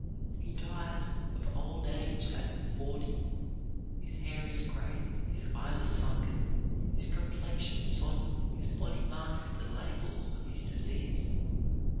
He dies of old age at forty, his hair is gray, his eyes are sunken, his complexion sodden, his body marked with the labels of his disease.